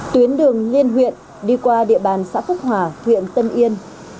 tuyến đường liên huyện đi qua địa bàn xã phúc hòa huyện tân yên